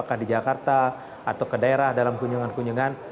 apakah di jakarta atau ke daerah dalam kunjungan kunjungan